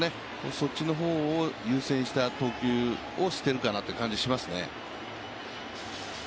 そっちの方を優先した投球をしてるかなという感じがしますね。